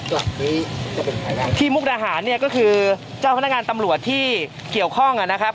ที่มุกดาหารเนี่ยก็คือเจ้าพนักงานตำรวจที่เกี่ยวข้องนะครับ